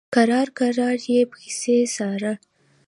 کرار کرار یې پسې څاره.